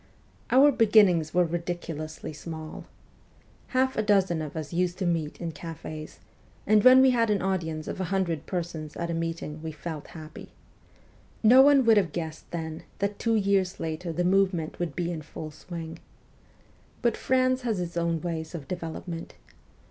Our beginnings were ridiculously small. Half a dozen of us used to meet in cafes, and when we had an audience of a hundred persons at a meeting we felt happy. No one would have guessed then that two years later the movement would be in full swing. But France has its own ways of development.